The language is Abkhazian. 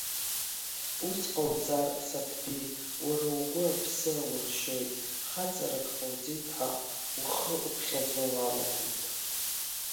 Ус ҟауҵар, Саҭбеи уара угәы аԥсы ауршьоит, хаҵарак ҟауҵеит ҳәа ухы уԥхьаӡо уалагоит.